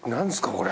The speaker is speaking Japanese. これ。